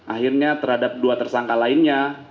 akhirnya terhadap dua tersangka lainnya